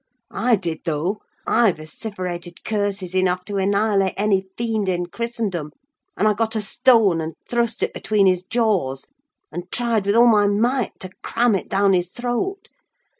I did, though: I vociferated curses enough to annihilate any fiend in Christendom; and I got a stone and thrust it between his jaws, and tried with all my might to cram it down his throat.